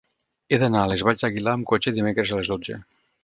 He d'anar a les Valls d'Aguilar amb cotxe dimecres a les dotze.